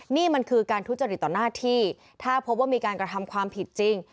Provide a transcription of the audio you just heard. นี่มันคือการทุจริตต่อหน้าที่ถ้าพบว่ามีการกระทำความผิดจริง